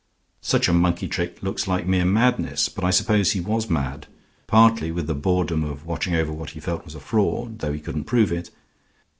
Such a monkey trick looks like mere madness, but I suppose he was mad, partly with the boredom of watching over what he felt was a fraud, though he couldn't prove it.